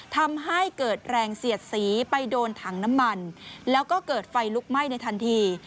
ทำให้เกิดแรงเสียดสีไปโดนถังน้ำมันแล้วก็เกิดไฟลุกไหม้ในทันที